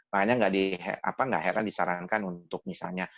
makanya nggak heran disarankan untuk misalnya